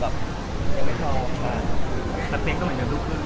จะเคล้ำตาติงทำให้ดูคุณ